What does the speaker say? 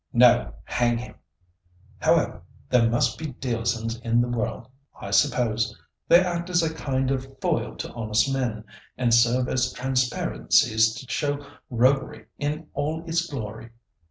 "No, hang him! However, there must be Dealersons in the world, I suppose. They act as a kind of foil to honest men, and serve as transparencies to show roguery in all its glory.